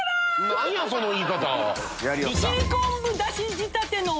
何やその言い方